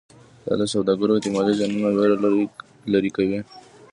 دا د سوداګرو احتمالي زیانونو ویره لرې کوي.